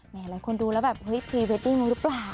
แม้หลายคนดูแล้วแบบพรีเวทนี่มั้งหรือเปล่า